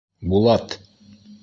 Булат!